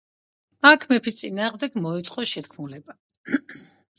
აქ მეფის წინააღმდეგ მოეწყო შეთქმულება.